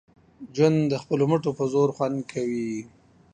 ژوند د خپلو مټو په زور خوند کړي